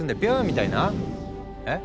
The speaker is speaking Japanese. みたいなえ？